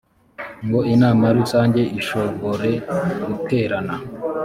ngo inama rusange ishobore guterana